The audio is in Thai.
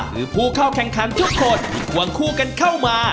ผู้เข้าแข่งขันทุกคนควงคู่กันเข้ามา